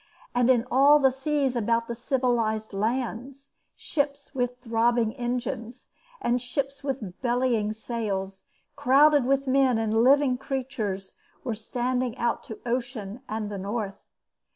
And in all the seas about the civilised lands, ships with throbbing engines, and ships with bellying sails, crowded with men and living creatures, were standing out to ocean and the north.